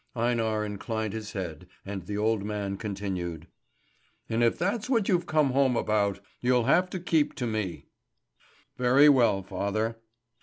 Einar inclined his head, and the old man continued: "And if that's what you've come home about, you'll have to keep to me." "Very well, father."